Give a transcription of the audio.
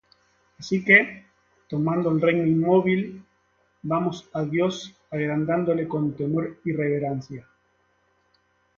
Así que, tomando el reino inmóvil, vamos á Dios agradándole con temor y reverencia;